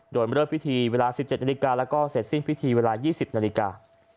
โดยเริ่มพิธีเวลา๑๗นาฬิกาแล้วก็เสร็จสิ้นพิธีเวลา๒๐นาฬิกา